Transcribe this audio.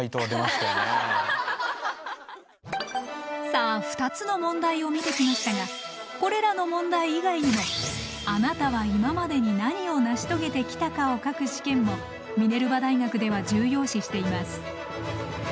さあ２つの問題を見てきましたがこれらの問題以外にもあなたは今までに何を成し遂げてきたかを書く試験もミネルバ大学では重要視しています。